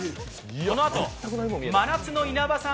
このあと真夏の稲葉さん